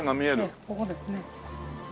ええここですね。